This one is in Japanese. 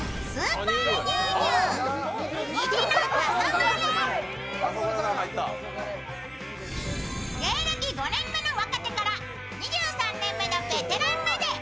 まずは芸歴５年目の若手から２３年目のベテランまで。